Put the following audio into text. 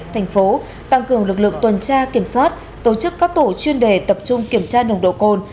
thành phố tăng cường lực lượng tuần tra kiểm soát tổ chức các tổ chuyên đề tập trung kiểm tra nồng độ cồn